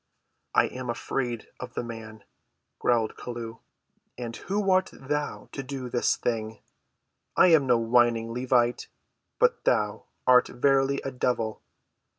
"I am afraid of the man," growled Chelluh. "And who art thou to do this thing! I am no whining Levite; but thou—art verily a devil."